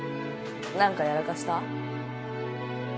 何かやらかした？